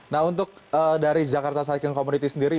nah untuk dari jakarta cycan community sendiri